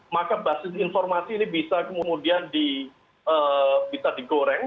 maka basis informasi ini bisa kemudian bisa digoreng